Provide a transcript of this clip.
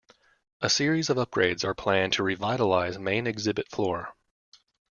A series of upgrades are planned to revitalize main exhibit floor.